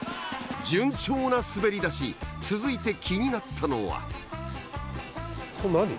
順調な滑り出し続いて気になったのはこれ何？